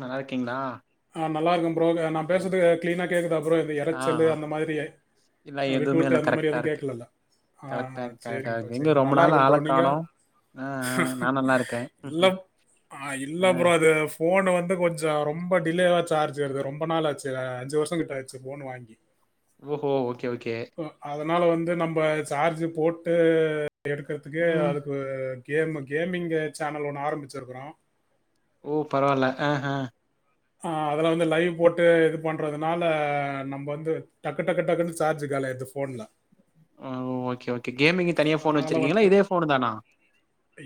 நல்லா இருக்கீங்ளா நா நல்லார்க்கோம் ப்ரோ க நா பேசுறது க்ளீனா கேக்குதா ப்ரோ இந்த ஆ எரச்சல் அந்த மாதிரி இல்ல அ எதுவுமே விட்டுவிட்டு இல்ல அந்த மாரி கரெக்டா எதுவும் இருக்கு கேட்கலல ஆ கரெக்டா இருக்கு கரெக்டா சரிங்க் ப்ரோ இருக்கு எங்க சரிங்க ப்ரோ ரொம்ப நல்லாருக்க நாள் ஆள ப்ரோ நீங்க காணோம் ஆ ஆ நா நல்லா இருக்கே இல்ல ம்ஹும் அ இல்ல ஆ ப்ரோ அது ஃபோன் வந்து கொஞ்ச ரொம் ம்ப டிலேவா சார்ஜ் ஏருது ரொம்ப நாள் ஆச்சு அ அஞ்சு வருஷம் கிட்ட ஆச்சு ஃபோன் வாங்கி ஓஹோ ஓகே ஓகே அதனால வந்து நம்ப சார்ஜு போட் எ எடுக்குறதுக்கே ம் அதுக்கு கேமு கேமிங்கு சேனல் ஒன்னு ஆரம்பிச்சிருக்குறோ ஓ பரவால்ல ஹ ஆஹ் ஆ அதுல வந்து லைவ் போட்டு இது பண்றதுனால நம்ப வந்து டக்கு டக்கு டக்குன்னு சார்ஜு காலியாயிருது போன்ல ஆஹ் ஓகே ஓக் கே கேமிங் தனியா போன் அதனால வச்சிருக்கீங்களா இதே போனு தானா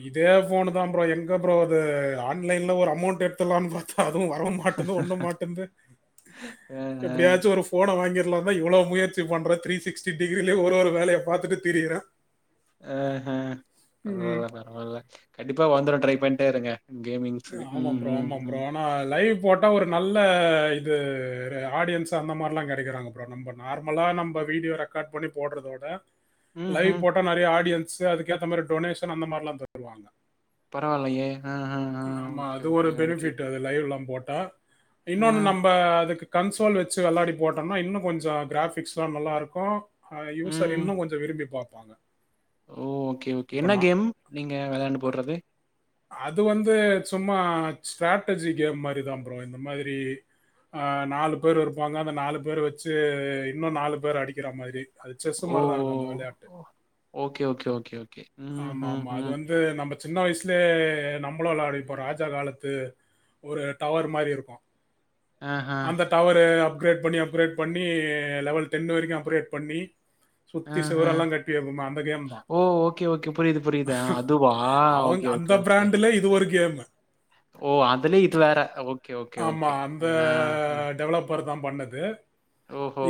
இதே ஃபோனுதா ப்ரோ எங்க ப்ரோ அது ஆன்லைன்ல ஒரு அமௌண்ட் எடுத்தர்லாம்னு பாத்தா அதுவு வரவு மாட்டேங்கு ஒன்னு மாட்டேங்து ஆ ஆ எப்படியாச்சு ஒரு ஃபோன வாங்கி வ்ளவே எவ்ளோ முயற்சி பண்ற த்ரி சிக்ஸ்டி டிகிரியிலயே ஒரு ஒரு வேலைய பாத்துட்டு திரியிறே அ ஹ அவ்ளோதானா அவ்ளோத கண்டிப்பா வந்துரு ட்ரை பண்ட்டே இருங்க கேமிங்ஸு ஆமாம் ம் ப்ரோ ம் ஆமாம் ப்ரோ ம் ஆனா லைவ் போட்டா ஒரு நல்ல இது ஆடியன்ஸ் அந்த மார்லா கெடைக்கிறாங்க ப்ரோ நம்ப நார்மலா நம்ப வீடியோ ரெக்காட் பண்ணி போட்றதோட லைவ் ம்ஹும் போட்டா நெறையா ஆடியன் ஸ் அதுக்கேத்த மாறி டொனேஷன் அந்த மாரில்லா தருவாங்க பரவால்லயே ஆமா அது ஒரு பெனிபிட்டு அது லைவ்லா போட் டா ஆ இன்னொன்னு நம்ப அதுக்கு கன்சோல் வச்சி வெளாடி போட்டோன்னா இன்னு கொஞ்சோ கிராஃபிக்ஸ்ல்லா நல்லாருக்கு ஆ ம் யுசர் இன்னு கொஞ்சோ விரும்பி பா ப்பாங்க ஓ ஓகே ஓகே என்ன கேம் நீங்க வெளாண்டு போட்றது அது வந்து சும்மா ஸ்ட்ராட்டஜி கேம் மாரிதா ப்ரோ இந்த மாதிரி ஆ நாலு பேர் இருப்பாங்க அந்த நாலு பேர் வச்சி இன்னு நாலு பேர அடிக்கிற மாதிரி அது செஸ் ஓ! மாரிதா இருக்கு அந்த வெளையாட்டு ஓ! Okay, okay, okay, okay. ம், ஆமா ம், ஆமா அது ம். வந்து நம்ம சின்ன வயஸ் ல இருந்தே நம்மளு வெளாடிருப்போ ராஜா காலத்து ஒரு டவர் மாரி இருக்கு ஆஹ, அந்த டவரு அப் அப்க்ரேட் பண்ணி அப்க்ரேட் பண்ணி லெவல் டென் வரைக்கு அப்க்ரேட் பண்ணி அ சுத்தி அ சுவரெல்லாம் கட்டி வைப்போம் அந்த கேம் தான் ஓ ஓகே ஓகே புரிது புரிது ஆ அதுவா ஓகே ஓக் இந்த ப்ராண்டுல இதுவு ஒர் கேமு ஓ அதுல இது வேற ஓகே ஓகே ஆமா ஓகே ஆ ஹ வண்ணுது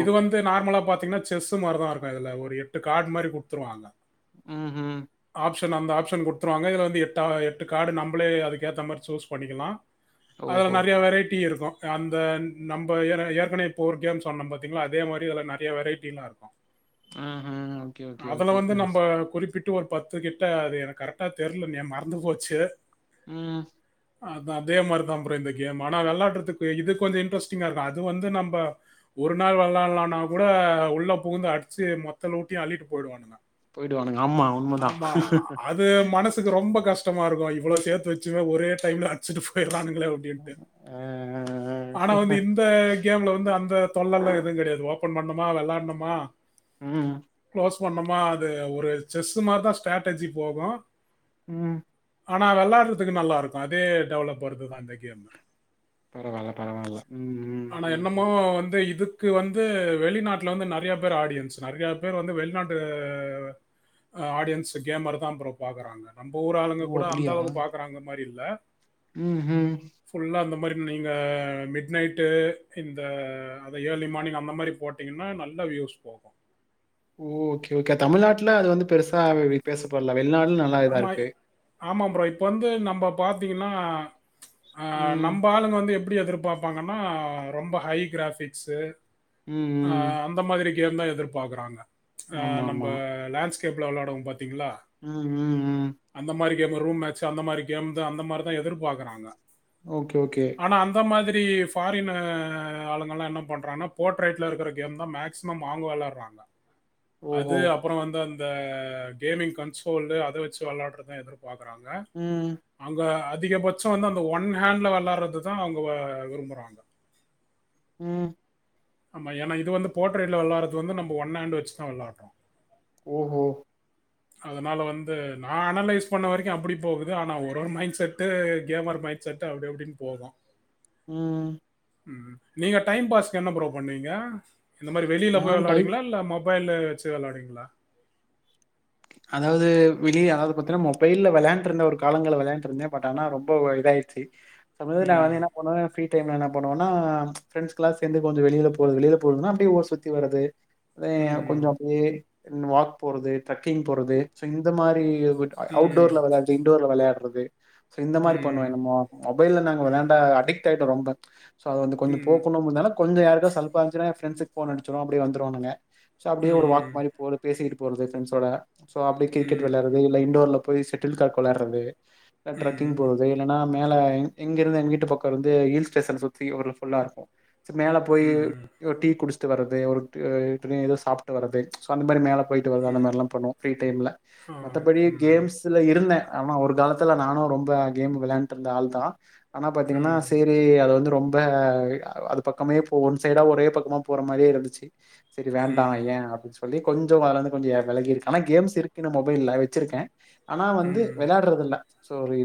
இது வந்து நார்மலா பாத் தின்னா செஸ்ஸு மாருதா இருக்கு இதுல ஒரு எட்டு காட் மாரி குத்துருவாங்க ம்ஹூ டன் அந்த ஆப்ஷன் குத்ருவாங்க இதுல வந்து எத் ட்டா எட்டு காடு நம்பளே அதுக்கேத்த மார் ச்சூஸ் பண்ணிக்கிலா அதுல ஓஹோ! நற்யா வெரைட்டி இருக்கு அந்தன் நம்ப ஏற ஏற்கனே இப்போர் கேம் சொன்ன பாத்தீங்ளா அதே மாரி அல நெறையா வெரைட்டில்லா இர்க்கு ம்ஹ்ம். ஓகே, ஓகே, அதுல ஓகே. வந்து ம். நம்ப குறிப்பிட் ட்டு ஒரு பத்து கிட்ட அது எனக் கரக்ட்டா தெர்ல நே மர் இந்து போச்சே உம் அதா அதே மாரிதா ப்ரோ இந்த கேம் ஆனா வெளாடுறதுக்கு இது கொஞ்சோ இன்ட்ரெஸ்டிங்கா இருக்கு அது வந்து நம்ப ஒரு நாள் விளாட்லனா கூட உள்ள புகுந்து அடிச்சு மொத்தலூட்டி அள்ளிட்டு போய்டுவானுங்க போயிடுவானுங்க. ஆமா, உண்மதான். ஆமா அது மனசுக்கு ரொம்ப கஷ்டமா இருக்கு இவ்வளோ சே்த்து வச்சும ஒரே டைம்ல அடிச்சுட்டு போய்றானுங் கள அப்டின்ட்டு ஆ, ஆனா வந்து இந்த கேம்ல வந்து அந்த தொல்லல்லா எதுவு கெடையாது ஓப்பன் பண்ணா மா விளாட்ணுமா ம் பண்ணோமா அது ஒரு செஸ் மாரிதா ஸ்ட்ராட்டஜி போகு உஹ்ம் ஆனா வெளாடுறதுக்கு நல்லா இருக்கு அதே டெவலபர்துதா இந்த கேம் பரவாயில்ல பரவாயில்ல உம் உம் உம் உம் இக்கு வந்து வெளிநாட்ட்ல வந்து நெறையா பேர் ஆடியன்ஸ் நெறையா பேர் வந்து வெளிநாட்டு ஆடியன்ஸ் கேமர் தா ப்ரோ பாக்கறாங்க நம் ஊர் ஆளுங்க கூட அந்தா வந்து பாக்கறாங்க மாரி இருக் ல்ல உம் ஹும் நீங்க மிட் நைட்டு இந்த அத ஏர்லி மார்னிங் அந்த மாரி போட்டீங்கன்னா நல்ல வியூஸ் போகு ஓகே ஓகே தமிழ்நாட்டுல அது வந்து பெருசா அது பேசப்படல வெளிநாடு நல்லா இதா ஆமா இருக்கு ஆமா ப்ரோ இப்போ வந்து நம்ம பாத்தீங்கன்னா ஆஹ் ம். நம்ப ஆளுங்க வந்து எ எப்டி எதிர்பாப்பாங்கன்னா ரொம்ப ஹை கிராஃபிக்ஸ்ஸு ம், ம். ஆஹ் அந்த மாதிரி டியந்தா எதிர்பாக்கறாங்க ஆ நம்ப ஆமாமா. லேண்ஸ் டேப்ல வெளாடுவோ பாத் திங்களா உஹ்ம் உஹ்ம் கேம் ரூம் மாச் அந்த மாரி கேம்தா அந்த மாரிதா எதிர்பாக்குறாங்க ஓகே ஓகே எப்டி ஃபாரின் ஆளுங்கல்லா என்ன பண்றாங்கன்னா போட்ரேட்ல இருக்குற கேம் தா மேக்சிமம் அவங்க வெளாடுறாங்க அது ஓஹோ! அப்புறொ வந்து அந் இந்த கேமிங் கன்சோலு அ த வச்சு வெளாடுறத எதிர் பாக்குறாங்க ம், அங்க அ திகபட்சொ வந்து அந்த ஒன் ஹேண்ட்ல வெளாடுறதுதா அவங்க விரும்புறாங்க உம் ஆமா ஏன்னா இது வந்து போட்ரேல வெளாடுறது வந்து நம்ம ஒன்ஹாண்ட் வச்சுதா வெளாடுறோ ஒஹோ அதனால வந்து நா அனலைஸ் பண்ண வரைக்கு அப்படி போகுது ஆனா ஒரு ஒரு mindset gamer mindset அப்படி அப்படின்னு போதா உஹ்ம் ம் நீங்க டைம் பாஸ்க்கு என்ன ப்ரோ பண்ணுவீங்க இந்த மாரி வெளில போய் நான் டைப் வெளாடுவீங்களா இல்ல மொப் மொபைலு வச்சு வெளாடுவீங்களா அதாவது விளிய அதாவது பாத்தீங்கன்னா மொபைல்ல வெளாண்டுருந்த ஒரு காலங்கள வெளாண்டு இருந்தே பட் ஆனா ரொம்ப இதாயிடுச்சு சமயத்தில ம் நான் என்ன பண்ணுவ ஃப்ரீ டைம்ல என்ன பண்ணுவென பிரெண்ட்ஸ்ல்லாம் சேர்ந்து கொஞ்சம் வெளிய போரது வெளில போரதுன்னா அப்படியே ஊற சுத்தி வரது அத கொஞ்சம் ம் அப்படியே என் வாக் போறது ட்ரக்கிங போறது சோ இந்த மாரி ் [unintelligible] போய்ட்டு ம் அவுட்டோர்ல விளா இன்டோர்ல விளையா [unintelligible] சோ இந்த ம் மாரி பண்ணுவேன் நம்ம ம் மொபைல்ல நாங்க விளாண்ட அடிக் ட்டாய்டோ ரொம்ப சோ அதை வந்து கொஞ்ச போக்ணும் இருனால கொஞ்ச யாருக்கா சல்பா இருந்துசுனா ப்ரெண்டஸுக்கு போன் அடிச்சோ அப்படி வந்துருவானுங்க சோ அப்டியே ஒரு வாக் மாரி ம் போல பேசிட்டு போறது பிரெண்ட்ஸ் தொடா சோ அப்டி கிரிக்கெட் விளையாறது இல்ல இண்டோர்ல போய் செட்டில்கார்க் விளாட்றது ட்ரக்கிங் ம் போறது இல்லன்னா மேல எங் எங்கிருந்து எங்க வீட்டு பக்கம்ந்து ஹில் ஸ்டேஷ சுத்தி ஒருல புல்லா இருக்கும் செரி மேலே போய் ம் ம் ஒரு டீ குடிச்ச வருரது ஒரு ஏதவும் சாப்ட்டு வருது சோ அந்த மாரி மேல போய்ட்டு வருது அந்த மாரி பண்ணுவோம் ஃப்ரீ டைம்ல ஆ மத்த படி ம் கேம்ஸ்ல இருந்தே ஆனா ஒரு காலத்துல நானும் ரொம்ப கேம் விளையாண்டுட்டு இருந்த ஆள்தான் ஆனா பாத்தீங்கன்னா ம் சேரி அது வந்து ரொம்ப அது பக்கமே ஒன் சைடா ஒரே பக்கமா போற மாரியே இருந்துச்சு செரி வேண்டாம் ம் ஏன் அப்புச்சு சொல்லி கொஞ்சம் அதிலிருந்து கொஞ்சம் விலகிக்கு ஆனா கேம்ஸ் இருக்குன்னு மொபைல்ல வச்சிருக்கேன் ஆனா வந்து ம் விளையாடுறதுல்ல சோ சரி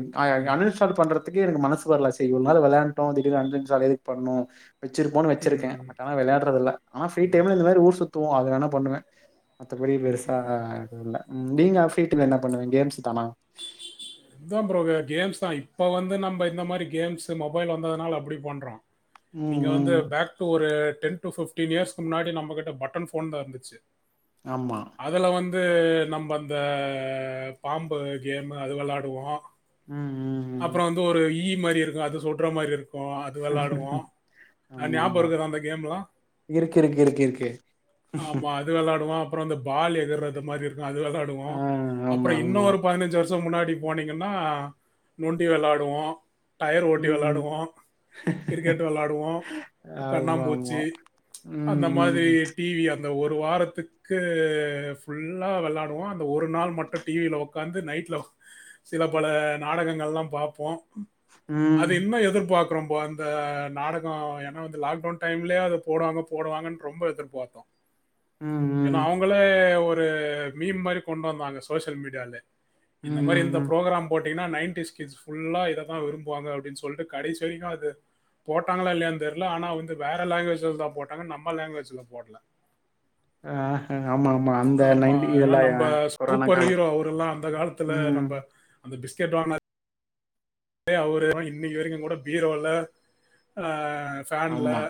அன் இன்ஸ்டால் பண்றது க்க எனக்கு மனசு வரல இவ்ளால விளான்ட்டோ திடீர்னு அன்இன்ஸ்டால் எதுக் பண்ணணும் வச்சிருப்போன் ம் வச்சிருக்கேன் ம் பட் விளையாட்றது இல்ல ஆனா ஃப்ரீ டைம்ல இந்தமாரி ஊர் சுத்துவோம் வேன பண்ணுவேன் மத்தபடி பெருசாஹ அதுல்ல நீங்க ஆப்பீட்ல என்ன பண்ணுவங்க கேம்ஸ் தானா இதா ப்ரோ கேம்ஸ் தா இப்ப வந்து நம்ம இந்த மாதிரி கேம்ஷு மொபைல் வந்ததுனால அப்படி பண்றோம் ம் நீங்க வந்து ம் பேக் டு ஒரு டென் டு ஃப்டீன் இயஸ்கு முன்னாடி நம்ம கிட்ட பட்டன் ஃபோன் தா இருந்துச்சி ஆமா ந்து நம்ம அந்த அ பாம்பு இப்போ கேமு அது விளாடுவோம் ம் ம் ம் அப்புறம் வந்து ஒரு ஈ மாரி இருக்கும் அது சொல்ற மாதிரி இருக்கும் அது விளையாடுவோம் ஆமா ஞாபகம் ஆமா இருக்குத அந்த கேம்ல இருக்கு இருக்கு இருக்கு இருக்கு ஆமா அது விளாடுவோம் அப்புறம்ந்த பால் எகுறத மாரி அது ஆ விளாடுவோம் ஆமா அப்புறம் ஆமா இன்னும் ஒரு பதினஞ்சு வருஷம் முன்னாடி போனீங்கன்னா நொண்டி விளாடுவோம் டயர் ஓட்டி ம் விளாடுவோம் கிரிக்கெட் விளாடுவோம் ஆமா ஆமா கண்ணாம்பூச்சு ம் அந்த மாதிரி ம் டிவி ஒரு வாரத்துக்கு ஃபுல்லா விளாடுவோம் அந்த ஒரு நாள் மட்டும் டிவில உடக்காந்து நைட்ல சில பல நாடகங்கள் நல்லாம் பார்ப்போம் ம் அது இன்ன எதிர்பார்க்க ரொம்ப அந்த நாடகம் ஏன்னா வந்து லாக்டவுன் டைம்லயே அத போடுவாங்க போடுவாங்கன்னு ரொம்ப எதிர்பார்த்தோம் ம் ஏன்னா ம் அவங்களே ஒரு ஒரு மீம் மாதிரி கொண்டு வந்தாங்க சோசியல் மீடியால இந்த ம் மாதிரி ம் இந்த ம் ஃபுரோக்ராம் போட்டு டின நைன்டிஸ் ஃபுல்லா இதைதா விரும்புவாங்க அப்படின்னு சொல்லிட்டு கடைச வரைக்கும் அது போட்டாங்களா இல்லைய தெரியல ஆனா வந்து வேற லாங்குவேஜஸ் தா போட்டாங்க நம்ம லாங்குவேஜ்ல போடல ஆ ஆமா ஆமா அந்த ஆமா நைன்டி ஏன்னா இதெல்லா நம்ம கொரோனா சூப்பர் காலம் ஹீரோ அவர் எல்லாம் அந்த காலத்துல ம் நம்ம அந்த [unintelligible] டே அவரு இன்னைக்கு வரைக்கும் கூட பீரோல ஆ பேன்ல ஆமா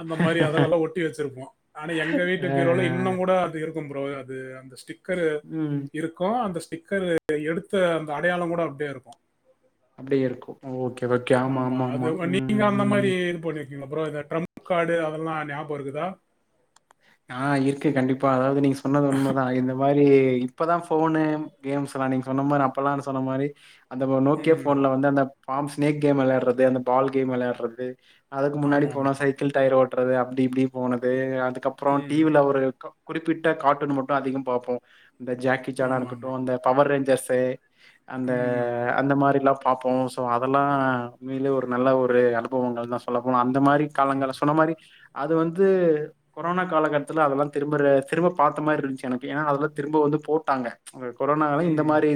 அந்த மாதிரி அதலெல்லாம் ஒட்டி வச்சிருப்போம் ஆனா எங்க வீட்டு ஆ பிரோல இன்னும் கூட அது இருக் ப்றோ அது அந்த ஸ்டிக் கிர ம் இருக்கும் அந்த சிக்கரு எடுத்த அந்த அடையாளம் கூட அப்படியே இருக்கும் அப்படி இருக்கும் ஓகே ஆமா அது நீங்க அந்த மாதிரி இது பண்ணு அப்புறம் இந்த டிரம்ப் கார்டு அதெல்லாம் ஞாபகம் இருக்குதா ஆ இருக்கு கண்டிப்பா அதாவது நீங்க சொன்னது உண்மதா இந்த மாரி ஏ இப்பதா ஃபோன்ணு கேம்ஸ்ல்லா நீங்க சொன்ன மாரி அப்பல்லானு சொன்ன மாரி அந்த நோக்கியா ம் ஃபோன்ல வந்து அந்த பாம் ஸ்னேக் கேம் வெளையாடுறது அந்த பால் கேம் வெளையாடுறது அதுக்கு முன்னாடி ஆமா போனா ஆமா சைக்கிள் டயர் ஓட் ட்றது அப்டி இப்டி போனது அது அப்றோ டி ம் வி ல ஒரு இருக்கு குறிப்பிட்ட கார்டூன் மட்டு அதிகம் பாப்போ இந்த ஜாக்கிசானா ஆமா இருக்கட்டு ஆமா அந்த பவர் ரேஞ்ச் ஜெர்ஃபே அந்த ம் அந்த மாரில்லா பாப்போ சோ அதெல்லா மேல நல்ல ஒரு அனுபவங்கள் தா சொல்லபோன அந் ந்த மாரி காலங்கள சொன்ன மாரி அது வந்து கொரோனா காலகட்டத்ல அதெல்லா திரும்ப ர திரும்ப பாத்த மாரி இருந்ச்சு எனக்கு ஏன்னா அதெல்லா திரும்ப வந்து போட்டாங்க கொரோனால இந்த ம் மாரி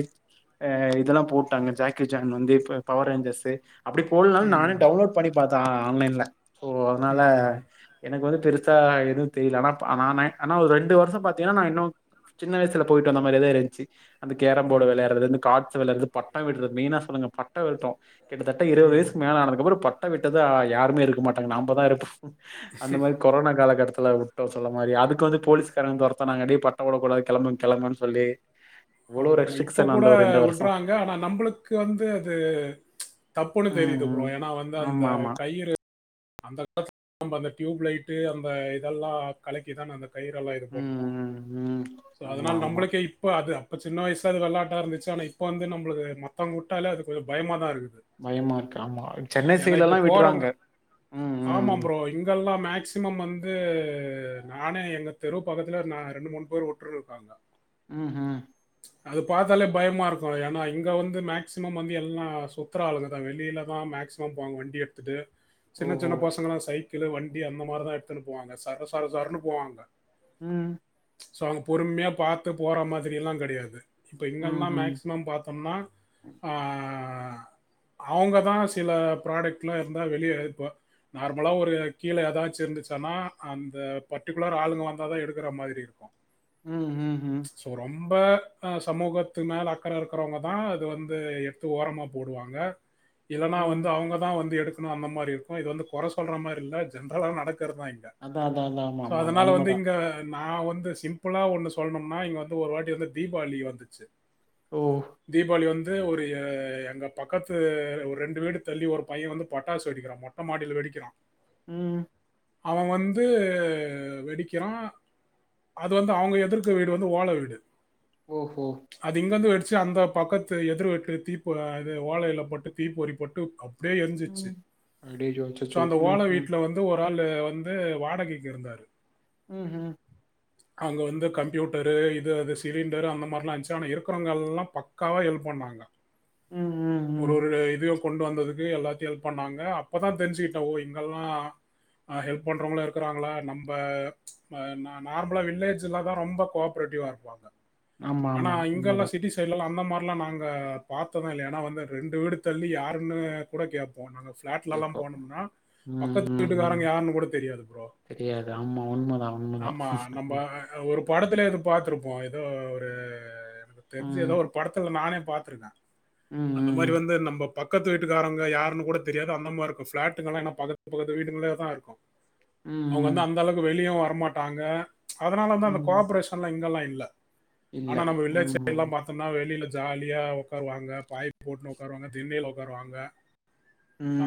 ஆ இதெல்லாம் போட்டாங்க ஜாக்கி ஜான் வந்து இப்ப பவர் ரேஞ்சர்ஸு அப்டி போட்ல்னாலு நானே ம் டவுன்லோட் பண்ணி பாத் தா ஆன்லைன்ல ஓ அத்னால ம் எனக்கு வந்து பெரு சா எது தெரிய்ல ஆனா ஆனா நா ஆனா ஒரு ரெண்டு வர்ஷம் பாத்தீங்கன்னா நா இன்னு சின்ன வயசுல போயிட்டு வந்த மாரியேதா இருந்துச்சு அந்த கேரம் போடு ம் விளையாட்றதுலேந்து காட் ஸ் விளாட்றது பட்டொ விட்ற மெய்னா சொல்லுங்க பட்ட விடட்டு கிட்டத்தட்ட இருவது ம் வயசுக்கு மேல ஆனதுக்கப்பறோ பட் ட்ட விட்டதா யாருமே இருக்க மாட்டாங்க நாம்ப தா இருப்ப அந்த மாரி கொரோனா காலகட்டத் நல்லா விக்டர் சொல்ல மாரி அதுக்கு வந்து போலீஸ்காரங்க ஒருத்தன நாங்க அப்டிய பட்ட விடக்கடா கெளம்ப கெளம்பன் சொல்லி இவ்ளோ ஆமாமா இப்ப ரெஸ்ட்ரிக்ஷன் கூட அந்த ஒரு வருஷம். விட்றாங்க ஆனா நம்பளுக்கு வந்து அது தப்புன்னு ம், தெரியுது ப்ரோ ம். ஏனா வந்து அந்த ஆமாமா. கையிறு அந்த காத் [inaudible] நம்ப அந்த ட்யூப் லைட்டு அந்த இதெல்லா கலக்கிதான அந்த கயிறெல்லா இது ம், பண்ணுவோ ம், ம். சோ அதனால ஆமாமா. நம்பளுக்கே இப்ப அது இப்ப சின்ன வயசு அது வெளாட்டா இருந்துச்சு ஆனா இப்ப வந்து நம்ளுக்கு மத்தங்க விட்டாலே அது கொஞ்சோ பயமா தா இருக்கு பயமா இருக்கு ஆமா சென்னை சைடுலலாம் விடுறாங்க போகிறவங்க உம் ஆமாம் ப்ரோ இங்க ல்லா மேக்சிமம் வந்து நானே எங்க தெரு பக்கத்துல ந ரெண்டு மூணு பேர் ஒட்டு இருக்காங்க உம் ம் அது பார்த்தாலே பயமா இருக்கு ஏன்னா இங்க வந்து மேக்சிமம் வந்து எல்லா சுத்துரா ஆளுங்கதா வெளியிலதா மேக்சிமம் போங்க வண்டி எடுத்துட்டு சின்ன ஓஹோ சின்ன பசங்கலா சைக்கிள்ளு வண்டி அந்த மாதிரிதா எடுத்துன்னு போவாங்க சரசர சரன்னு போவாங்க உம் சோ அவங்க பொறுமையா பாத்து போற மாதிரி எல்லா கிடையாது இப்போ இங்கெல்லா ம்ஹும் மேக்சிமம் பாத்தம்னா ஆ ஆ அவங்கதா சில ப்ராடக்ட்லா இருந்தா வெளிய ப்ப நார்மலா ஒரு கீழ எதாச்சு இருந்துச்சுனா அந்த பர்டிகுலர் ஆளுங்க வந்தாதா எடுக்கற மாதிரி இருக்கு ம் ஹ் ஹ் ம்ப அ சமூகத்துக்கு மேல அக்கற இருக்கிறவங்கதா இது வந்து எடுத்து ஓரமா போடுவாங்க இல்லனா ம் வந்து அவுங்கதா வந்து எடுத்து அந்த மாரி இருக் கு இது வந்து கொற சொல்ற மாரி இல்ல ஜென்ரலா நடக் றதா இங்க அதா அதா அதா ஆமா சோ ஆமா ஆமா அதனால வந்து உண்மதா இங்க நா வந்து சிம்பிளா ஒண்ணு சொல்ணம்னா இங்க வந்து ஒரு வாட்டி வந்து தீபாளி வந்துச்சு ஓ தீபாளி வந் ஒரு எங்க பக்கத்து ரெண்டு ஒரு வீடு தள்ளி ஒரு பைய வந்து பட்டாசு வெடிக்கிறா மொட் அ மாடில வெடிக்கிறா ம் அவ வந்து வெடிக்கிறா அது வந்து அவுங்க எதுர்க்க வீடு வந்து ஓல வீடு ஓஹோ சு அந்த பக்கத்து எதிர் வீட்ல தீப் இது ஓலைல பட்டு தீப்பொறி பட்டு அப் டியே எரிஞ்சிச்சு ம் அடேஜோ சோ அச்சச்சோ அந்த ஓல ம்ஹும் வீட்ல வந்து ஒ காலு வந்து வாடகைக்கி இருந்தாரு ஹு ஹு அவ்ங்க வந்து கம்யூட்டரு இது அது சிலிண்டர் அந்த மார்லான்ச்சு அவன இருக்குறவ்ங் எல்லா பக்காவா ஹெல்ப் பண்ணாங்க ம் ம் ஒரு ம் ஒரு இதுயு கொண்டு வந்ததுக்கு எல்லாதி எல்ப் பண்ணாங்க அப்பதா தெர்ஞ்சுகிட்ட ஒ இங்கல்லா அ ஹெல்ப் பண்றவுங்ளு இர்க்குறாங்களா நம்ப அ நா நார்மலா வில்லேஜ்ஜில்லதா ரொம்ப கோஆப்ரேட்டிவா இர்ப்பாங்க ஆமா ஆனா ஆமா இங்கெல்லா உண்மதா சிட்டி சைட்லல்லா அந் அந்த மார்லா நாங்க பாத்தது இல்ல ஏனா வந்து ரெண்டு வீடு தள்ளி யாருன்னு கூட கேப்போ நாங்கசு ட்லல்லா கேப்போ போனொம்னா ம் பக்கத்து ம் ம் வீட்டுக்காரங்க யார்ன்னு கூட தெரியாது ப்ரோ தெரியாது ஆமா உண்மதா உண்மதா ஆம்மா நம்ப ஒரு பாட துலே அது பாத்துருப்போ எதோ ஒரு தெருஞ்ச ம் எதோ ஒரு படத்துல நானே பாத்திருக்க ம் அந்த மாரி ம் வந்து நம்ப பக்கத்து வீட்டுக்காரங்க யாருன்னு கூட தெரியா ல அந்த மாரிக்கு ஃப்ளாட்டுங்களா என்ன பக்தத் பக்கத்து வீடுங்களே தா இருக்கு ம் அவங்கந்து ம் அந்த அளவுக்கு வெளியவு வர மாட்டாங்க அதனாலந்தா அந்த கோ ம் ஆப்ரேஷன்லா இங்கெல்லா இல் இல்ல ஆனா நம்ம வில்லேஜ் ம் சைட்லாம் பாத்தொம்னா வெளில ஜாலியா ஒக்காருவாங்க பாய் போட்னு ஒக்காருவாங்க திண்ணைல ஒக்காருவாங்க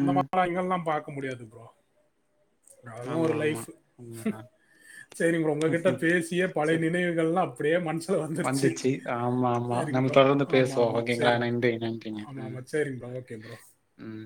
அந்த [inaudible] இங்கல்லாம் பா க்க முடியாது ப்ரோ அதல்லா ஆமா ஒரு ஆமா லைஃபு உண்மதா சேரிங் ப்ரோ உங்ககிட்ட பேசியே பழை சோ நினைவுகள்லா அப்புடியே மன்சுல வந்துருச்சு வந்துச்சு ஆமா ஆமா சேரிங் நம்ம ப்ரோ தொடர்ந்து ஆமா பேசுவோ ஆமா ஓகேங்களா சேரிங் ப்ரோ நன்றி நன்றிங்க ஆமா ம் ஆமா சேரிங் ப்ரோ ஓகே ப்ரோ ம்